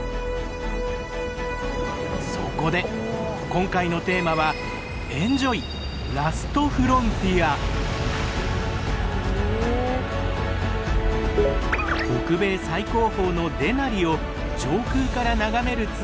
そこで今回のテーマは北米最高峰のデナリを上空から眺めるツアーや。